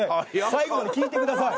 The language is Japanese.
最後まで聞いてください